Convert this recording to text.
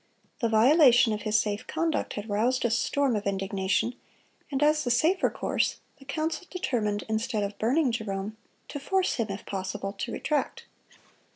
The violation of his safe conduct had roused a storm of indignation, and as the safer course, the council determined, instead of burning Jerome, to force him, if possible, to retract.